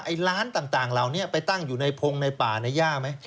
ไอ้ร้านต่างเราเนี่ยไปตั้งอยู่ในพงในป่าในหญ้าไหม